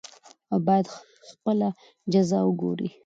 او بايد خپله جزا وګوري .